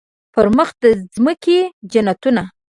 پر مخ د مځکي د جنتونو